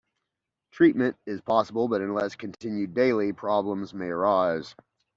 Treatment is possible but unless continued daily, problems may arise.